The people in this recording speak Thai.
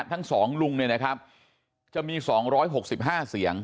ทั้งสองลุงเนี่ยนะครับจะมีสองร้อยหกสิบห้าเสียง